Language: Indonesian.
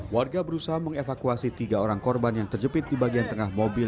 warga berusaha mengevakuasi tiga orang korban yang terjepit di bagian tengah mobil